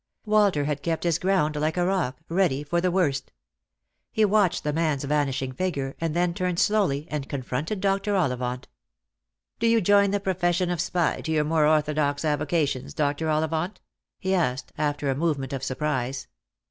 Walter had kept his ground like a rock, ready for the worst. He watched the man's vanishing figure, and then turned slowly and confronted Dr. Ollivant. Lost for Love. 159 " Do you join the profession of spy to your more orthodox avocations, Dr. Ollivant ?" he asked, after a movement of surprise.